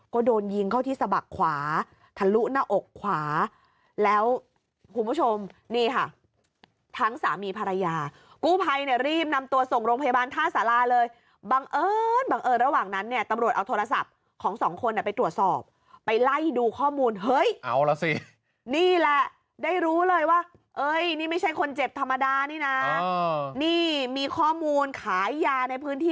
ก็โดนยิงเข้าที่สะบักขวาทะลุหน้าอกขวาแล้วคุณผู้ชมนี่ค่ะทั้งสามีภรรยากู้ภัยเนี่ยรีบนำตัวส่งโรงพยาบาลท่าสาราเลยบังเอิญบังเอิญระหว่างนั้นเนี่ยตำรวจเอาโทรศัพท์ของสองคนไปตรวจสอบไปไล่ดูข้อมูลเฮ้ยเอาล่ะสินี่แหละได้รู้เลยว่าเอ้ยนี่ไม่ใช่คนเจ็บธรรมดานี่นะนี่มีข้อมูลขายยาในพื้นที่